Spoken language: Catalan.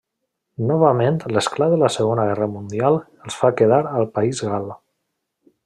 Novament l'esclat de la Segona Guerra Mundial els fa quedar al país gal.